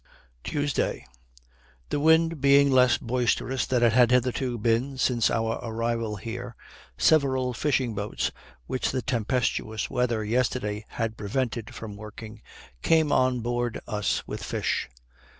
Tuesday. The wind being less boisterous than it had hitherto been since our arrival here, several fishing boats, which the tempestuous weather yesterday had prevented from working, came on board us with fish.